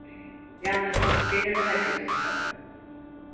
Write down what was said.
Yalnız beni daha çok sıkın…